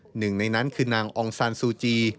หนึ่งในนั้นคือนางองซานซูจี